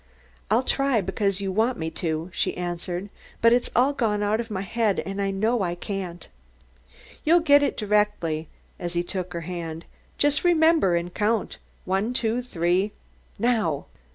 "I'll try because you want me to," she answered, "but it's all gone out of my head, and I know I can't." "You'll get it directly," as he took her hand. "Just remember and count. One, two, three now!"